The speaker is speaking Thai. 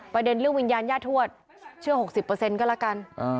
ประเด็นเรื่องวิญญาณย่าทวดเชื่อ๖๐เปอร์เซ็นต์ก็แล้วกัน